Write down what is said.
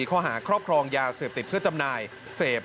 ข้อหาครอบครองยาเสพติดเพื่อจำหน่ายเสพ